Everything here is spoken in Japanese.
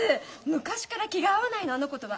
昔から気が合わないのあの子とは。